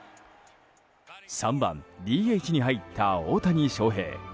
３番ＤＨに入った大谷翔平。